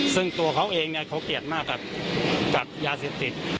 ซึ่งตัวเขาเองเขาเกลียดมากกับยาเสพติด